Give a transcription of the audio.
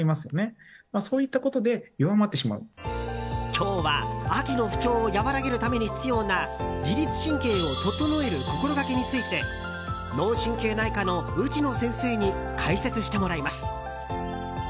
今日は秋の不調を和らげるために必要な自律神経を整える心がけについて脳神経内科の内野先生に解説してもらいます。